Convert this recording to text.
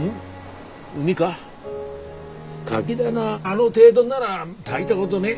カキ棚あの程度なら大したことねえ。